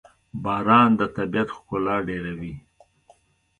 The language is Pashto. باران د طبیعت ښکلا ډېروي.